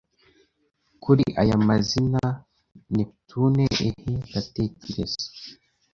kuri aya mazina neptune eh ndatekereza